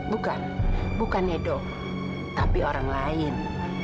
bukan bukan edo tapi orang lain